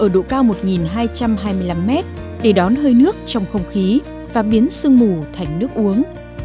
sương mù có độ cao một hai trăm hai mươi năm mét để đón hơi nước trong không khí và biến sương mù thành nước uống